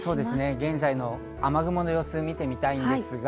現在の雨雲の様子を見てみたいと思います。